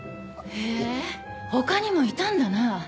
へぇ他にもいたんだなぁ。